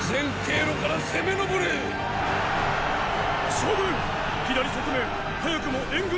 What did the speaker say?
将軍！